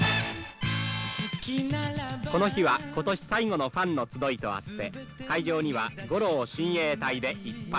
「この日は今年最後のファンの集いとあって会場には五郎親衛隊でいっぱい」。